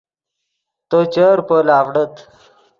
تو چر پول آڤڑیت